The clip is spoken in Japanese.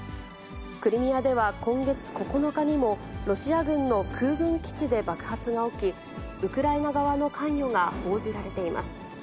クリミアでは今月９日にも、ロシア軍の空軍基地で爆発が起き、ウクライナ側の関与が報じられています。